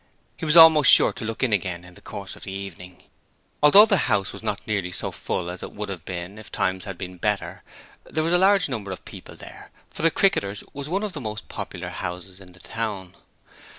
He was almost sure to look in again in the course of the evening. Although the house was not nearly so full as it would have been if times had been better, there was a large number of people there, for the 'Cricketers' was one of the most popular houses in the town.